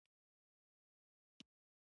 مشران کوچنیانو ته دا ورښيي.